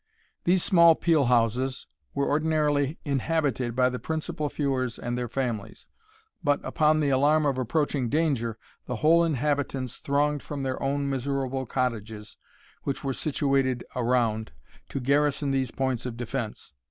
These small peel houses were ordinarily inhabited by the principal feuars and their families; but, upon the alarm of approaching danger, the whole inhabitants thronged from their own miserable cottages, which were situated around, to garrison these points of defence.